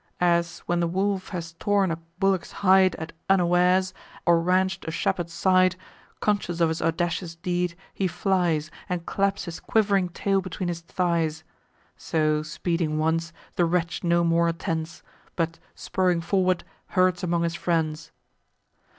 As, when the wolf has torn a bullock's hide At unawares, or ranch'd a shepherd's side, Conscious of his audacious deed, he flies, And claps his quiv'ring tail between his thighs: So, speeding once, the wretch no more attends, But, spurring forward, herds among his friends.